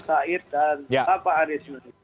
pak said dan pak arya sinulinga